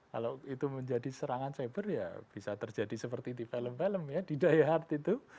kalau itu menjadi serangan cyber ya bisa terjadi seperti di film film ya di die hard itu